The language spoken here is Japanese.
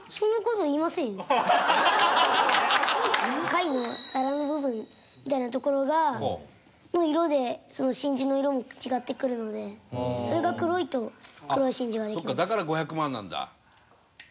貝の皿の部分みたいな所の色でその真珠の色も違ってくるのでそれが黒いと黒い真珠ができるんです。